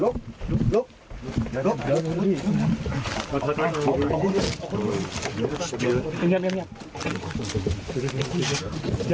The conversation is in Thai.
เดี๋ยวดูภาพตรงนี้หน่อยนะฮะเพราะว่าทีมขาวของเราไปเจอตัวในแหบแล้วจับได้พอดีเลยนะฮะ